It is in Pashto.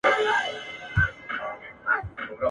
له پېزوانه اوښکي څاڅي د پاولیو جنازې دي ..